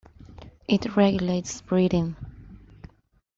It regulates breathing.